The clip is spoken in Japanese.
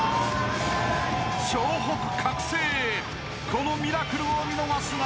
［このミラクルを見逃すな！］